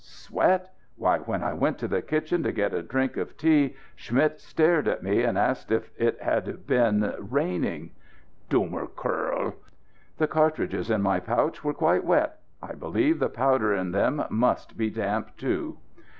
_ Sweat? Why, when I went to the kitchen to get a drink of tea, Schmidt stared at me, and asked if it had been raining. Dummer Kerl! The cartridges in my pouch were quite wet. I believe the powder in them must be damp, too."